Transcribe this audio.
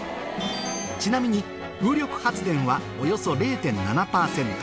ちなみに風力発電はおよそ０．７％